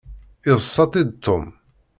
Yeḍṣa-tt-id Tom.